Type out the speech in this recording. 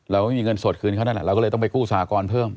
เราไม่มีเงินสดคืนเขานั่นแหละเราก็เลยต้องไปกู้สหกรณ์เพิ่ม